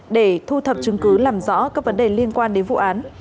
để thu thập chứng cứ làm rõ các vấn đề liên quan đến vụ án